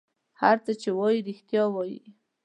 هر څه چې وایي رېښتیا وایي.